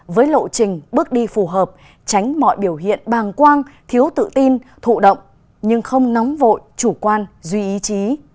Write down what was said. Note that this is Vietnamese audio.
với lộ trình bước đi phù hợp tránh mọi biểu hiện bàng quang thiếu tự tin thụ động nhưng không nóng vội chủ quan duy ý chí